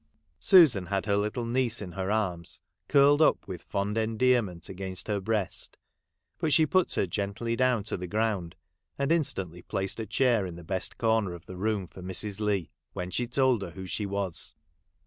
Susan had her little niece in her arms, curled up with fond endearment against her breast, but she put her gently down to the ground, and instantly placed a chair in the best comer of the room for Mrs. Leigh, when she told her who she was.